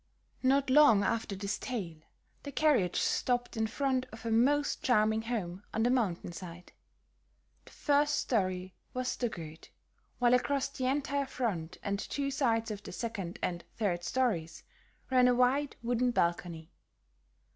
Not long after this tale, the carriage stopped in front of a most charming home on the mountainside. The first story was stuccoed, while across the entire front and two sides of the second and third stories ran a wide wooden balcony.